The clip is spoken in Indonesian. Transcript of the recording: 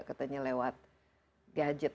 katanya lewat gadget